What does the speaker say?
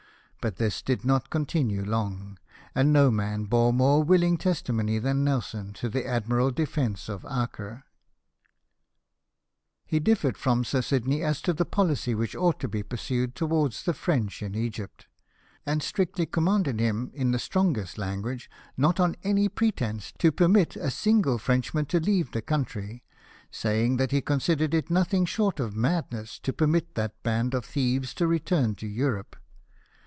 But this did not continue long ; and no man bore more wilhng testimony than Nelson to the admirable defence of Acre. He differed from Sir Sidney as to the policy which ought to be pursued towards the French in Egypt ; and 208 LIFE OF NELSON. strictly commanded him, in the strongest language, not on any "pretence, to permit a single Frenchman to leave the country, saying that he considered it nothing short of madness to permit that band of thieves to return to Europe.